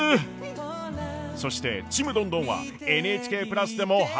そして「ちむどんどん」は「ＮＨＫプラス」でも配信中！